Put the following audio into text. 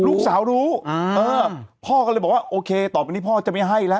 ลูกสาวรู้พ่อก็เลยบอกว่าโอเคต่อไปนี้พ่อจะไม่ให้แล้ว